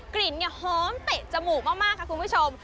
กลิ่นเนี่ยหอมเตะจมูกมากค่ะคุณผู้ชม